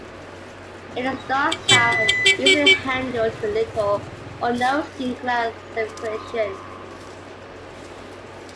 It is docile and easily handled with little or no skin gland secretions.